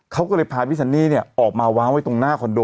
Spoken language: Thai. เขาก็เลยพาพี่ซันนี่ออกมาวางไว้ตรงหน้าคอนโด